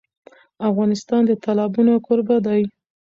افغانستان د تالابونه کوربه دی.